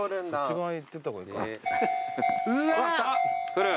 来る。